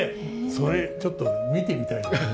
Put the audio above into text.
それちょっと見てみたいよね